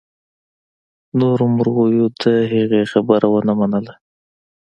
نورو مرغیو د هغې خبره ونه منله.